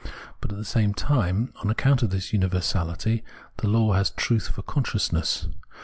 But, at the same time, on accoimt of this universality, the law has truth for consciousness.